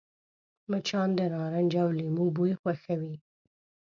مچان د نارنج او لیمو بوی خوښوي